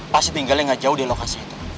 pasti tinggalnya nggak jauh di lokasi itu